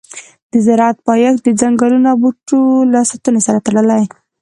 د زراعت پایښت د ځنګلونو او بوټو له ساتنې سره تړلی دی.